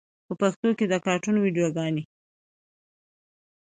په پښتو کې د کاټون ویډیوګانې